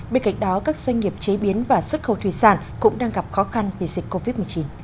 bên cạnh đó các doanh nghiệp chế biến và xuất khẩu thủy sản cũng đang gặp khó khăn vì dịch covid một mươi chín